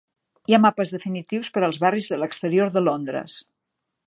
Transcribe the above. Hi ha mapes definitius per als barris de l'exterior de Londres.